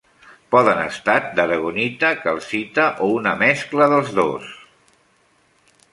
Poden estat d'aragonita, calcita o una mescla dels dos.